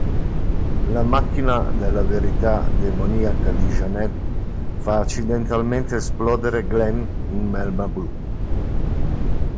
La macchina della verità demoniaca di Janet fa accidentalmente esplodere Glenn in melma blu.